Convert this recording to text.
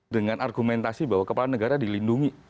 dengan argumentasi bahwa kepala negara dilindungi